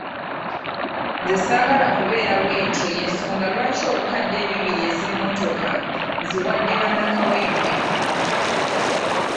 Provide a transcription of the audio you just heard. Nze saagala kubeera bwentyo y’ensonga lwaki obukadde ebibiri ez’emmotoka nziwadde bannakawempe.